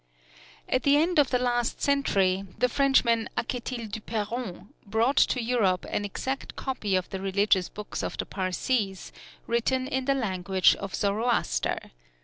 At the end of the last century, the Frenchman Aquetil Duperron brought to Europe an exact copy of the religious books of the Parsees, written in the language of Zoroaster.